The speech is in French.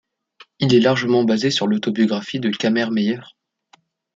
Il est largement basé sur l'autobiographie de Cammermeyer.